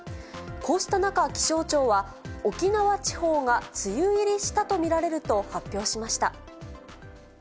こうした中、気象庁は、沖縄地方が梅雨入りしたと見られると発表しました。